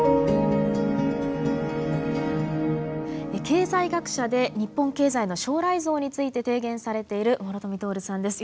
経済学者で日本経済の将来像について提言されている諸富徹さんです。